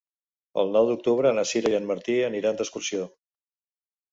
El nou d'octubre na Sira i en Martí aniran d'excursió.